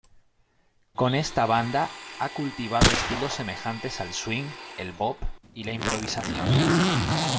Con esta banda ha cultivado estilos semejantes al swing, el bop y la improvisación.